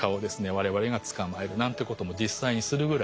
我々が捕まえるなんていうことも実際にするぐらい。